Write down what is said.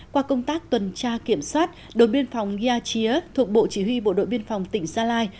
qua công tác tuần tra kiểm soát đồn biên phòng yà chía thuộc bộ chỉ huy bộ đội biên phòng tỉnh gia lai